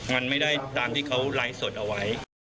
มันไม่ได้ตามที่เขาไลฟ์สดเอาไว้